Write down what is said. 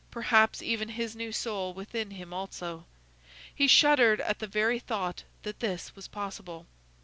—perhaps even his new soul within him, also. He shuddered at the very thought that this was possible.